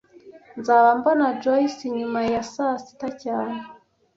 Nzaba mbona Joyce nyuma ya saa sita cyane